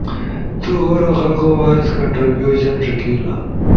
تو ہورو خلقو وائس کنٹربیوشن ݜکیلا،